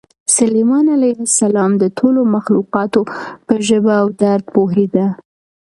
سلیمان علیه السلام د ټولو مخلوقاتو په ژبه او درد پوهېده.